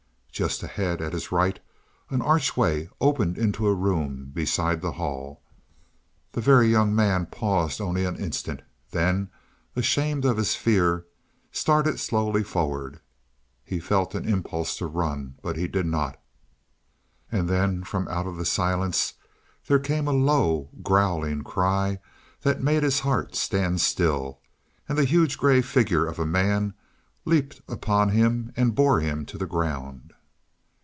Just ahead, at his right, an archway opened into a room beside the hall. The Very Young Man paused only an instant; then, ashamed of his fear, started slowly forward. He felt an impulse to run, but he did not. And then, from out of the silence, there came a low, growling cry that made his heart stand still, and the huge gray figure of a man leaped upon him and bore him to the ground.